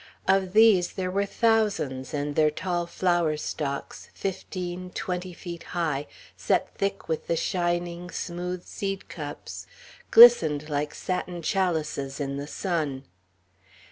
Of these there were thousands; and their tall flower stalks, fifteen, twenty feet high, set thick with the shining, smooth seed cups, glistened like satin chalices in the sun.